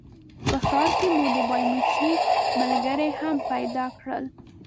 په ښار کې مو د بایومټریک ملګري هم پیدا کړل.